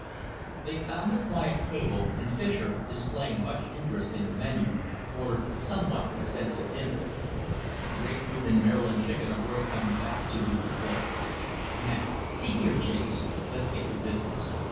They found a quiet table, and Fischer, displaying much interest in the menu, ordered a somewhat extensive dinner. "Grapefruit and Maryland chicken are worth coming back to," he declared. "Now see here, James, let's get to business.